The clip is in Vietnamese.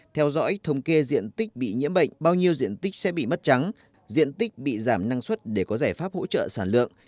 theo dõi thống kê diện tích bị nhiễm bệnh bao nhiêu diện tích sẽ bị mất trắng diện tích bị giảm năng suất để có giải pháp hỗ trợ sản lượng